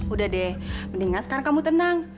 udah deh mendingan sekarang kamu tenang